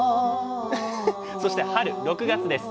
そして春６月です。